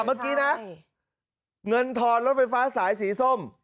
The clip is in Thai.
เมื่อกี้นะเงินทอนรถไฟฟ้าสายสีส้ม